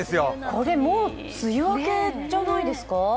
これもう梅雨明けじゃないですか。